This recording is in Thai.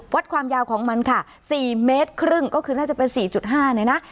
วัดความยาวของมันค่ะ๔๕เมตรก็คือน่าจะเป็น๔๕นะ